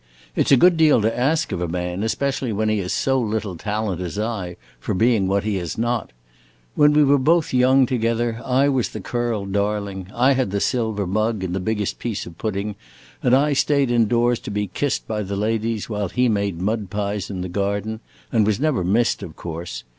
It 's a good deal to ask of a man, especially when he has so little talent as I for being what he is not. When we were both young together I was the curled darling. I had the silver mug and the biggest piece of pudding, and I stayed in doors to be kissed by the ladies while he made mud pies in the garden and was never missed, of course.